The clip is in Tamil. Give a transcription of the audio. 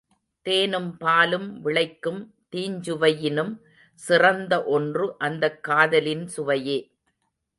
தேனும் பாலும் விளைக்கும் தீஞ்சுவையினும் சிறந்த ஒன்று அந்தக் காதலின் சுவையே.